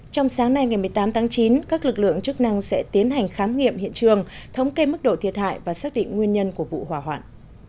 trong sáng nay ngày một mươi tám tháng chín các lực lượng chức năng sẽ tiến hành khám nghiệm hiện trường thống kê mức độ thiệt hại và xác định nguyên nhân của vụ hỏa hoạn